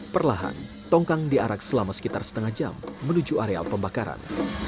perlahan tongkang diarak selama sekitar setengah jam menuju areal pembakaran